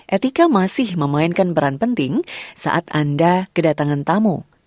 etika masih memainkan peran penting saat anda kedatangan tamu